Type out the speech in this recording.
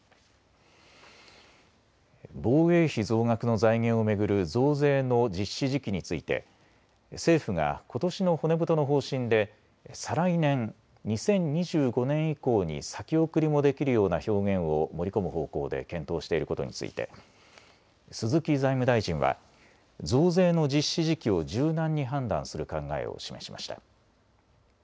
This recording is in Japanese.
防衛費増額の財源を巡る増税の実施時期について政府がことしの骨太の方針で再来年＝２０２５年以降に先送りもできるような表現を盛り込む方向で検討していることについて鈴木財務大臣は増税の実施時期を柔軟に判断する考えを示しました。